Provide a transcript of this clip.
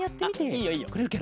いいよいいよ。